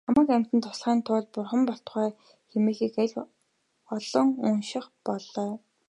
Хамаг амьтдад туслахын тулд бурхан болтугай хэмээхийг аль олон унших болой.